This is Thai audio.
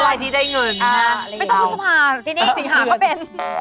ไม่ต้องพฤษภาทีนี้จิงหาเขาเป็น